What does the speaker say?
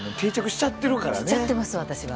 しちゃってます私は。